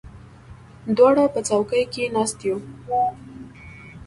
دواړه په څوکۍ کې ناست یو.